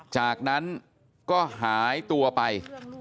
จากนั้นก็หายตัวไป